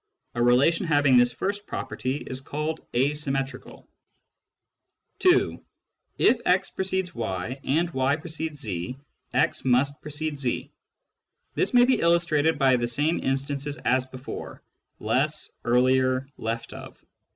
A relation having this first property is called asymmetrical. (2) If x precedes y and y precedes 2, x must precede 2. This may be illustrated by the same instances as before : less, earlier, left of.